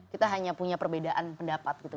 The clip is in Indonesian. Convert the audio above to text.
kita hanya punya perbedaan pendapat gitu